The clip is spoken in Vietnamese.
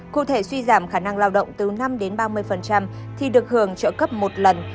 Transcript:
cụ thể suy giảm khả năng lao động từ năm đến ba mươi thì được hưởng trợ cấp một lần